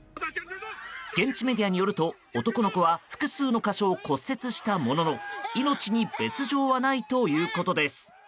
現地メディアによると男の子は複数の箇所を骨折したものの命に別状はないということです。